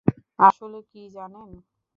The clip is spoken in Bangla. আসলে কি জানেন?